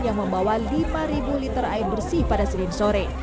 yang membawa lima liter air bersih pada senin sore